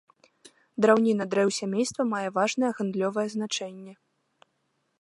Драўніна дрэў сямейства мае важнае гандлёвае значэнне.